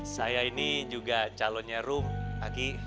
saya ini juga calonnya room aki